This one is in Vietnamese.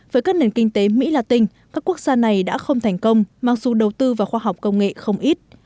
với các nền kinh tế mỹ la tinh các quốc gia này đã không thành công mặc dù đầu tư vào khoa học công nghệ không ít